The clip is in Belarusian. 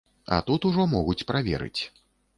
А тут ужо могуць праверыць.